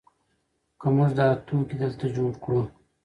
که موږ دا توکي دلته جوړ کړو.